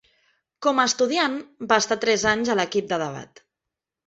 Com a estudiant, va estar tres anys a l'equip de debat.